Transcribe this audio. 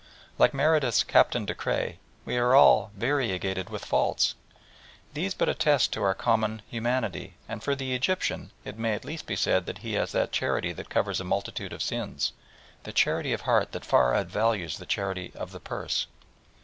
Like Meredith's Captain de Creye, we are all "variegated with faults." These but attest our common humanity, and for the Egyptian it may at least be said, that he has that charity that covereth a multitude of sins, the charity of heart that far outvalues the charity of the purse.